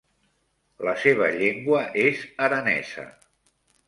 La seva llengua és aranesa.